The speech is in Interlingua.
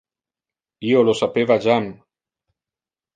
Io lo sapeva jam.